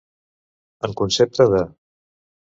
En concepte de.